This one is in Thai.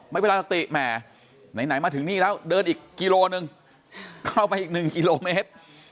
ไม่เป็นไรหรอกติแหมไหนมาถึงนี่แล้วเดินอีกกิโลนึงเข้าไปอีก๑กิโลเมตร